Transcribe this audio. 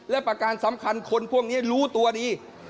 และประการสำคัญคนพวกนี้รู้ตัวดี